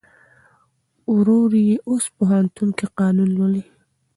ورور یې اوس پوهنتون کې قانون لولي.